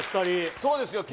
そうですよ。